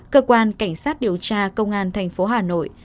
cơ quan cảnh sát điều tra công an tp hà nội